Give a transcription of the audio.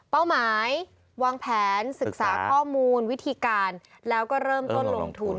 หมายวางแผนศึกษาข้อมูลวิธีการแล้วก็เริ่มต้นลงทุน